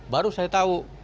baru saya tahu